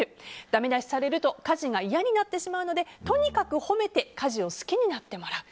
だめ出しされると家事が嫌になってしまうのでとにかく褒めて家事を好きになってもらう。